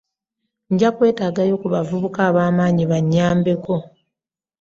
nja kwetaagayo ku bavubuka ab'amaanyi bannyambeko.